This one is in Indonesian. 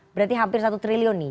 berarti hampir satu triliun nih